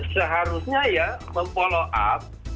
seharusnya ya memfollow up